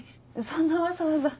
そんなわざわざ。